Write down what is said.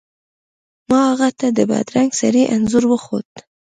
ما هغه ته د بدرنګه سړي انځور وښود.